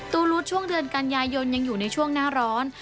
ลูดช่วงเดือนกันยายนยังอยู่ในช่วงหน้าร้อน